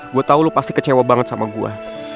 gue tau lo pasti kecewa banget sama gue